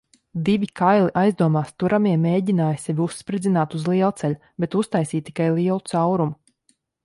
Divi kaili aizdomās turamie mēģināja sevi uzspridzināt uz lielceļa, bet uztaisīja tikai lielu caurumu.